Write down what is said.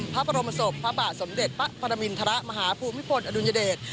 พระบรมศพพระบาทสมเด็จพระปรมินทรมาฮภูมิพลอดุลยเดช